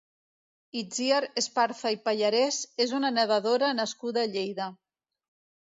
Itziar Esparza i Pallarés és una nedadora nascuda a Lleida.